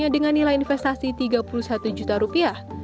dengan nilai investasi rp tiga puluh satu juta